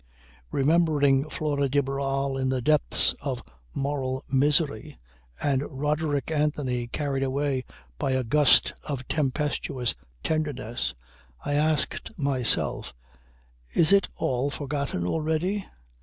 Remembering Flora de Barral in the depths of moral misery, and Roderick Anthony carried away by a gust of tempestuous tenderness, I asked myself, Is it all forgotten already?